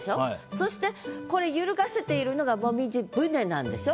そしてこれゆるがせているのが「紅葉舟」なんでしょ？